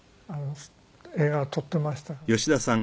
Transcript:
映画は撮ってましたから。